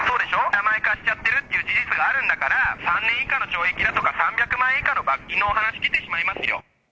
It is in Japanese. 名前貸しちゃってるっていう事実あるんだから、３年以下の懲役だとか３００万円以下の罰金の話が来てしまいます